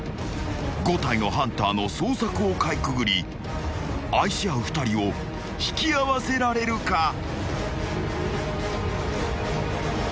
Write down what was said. ［５体のハンターの捜索をかいくぐり愛し合う２人を引き合わせられるか？］